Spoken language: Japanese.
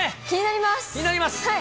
気になります。